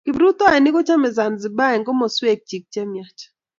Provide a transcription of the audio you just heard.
Kiprutoinik kochomei Zanzibar eng komoswekchi chemyach.